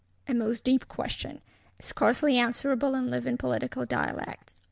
_ A most deep question;—scarcely answerable in living political dialects.